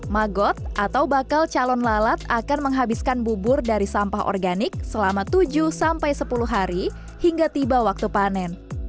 magot atau bakal calon lalat akan menghabiskan bubur dari sampah organik selama tujuh sampai sepuluh hari hingga tiba waktu panen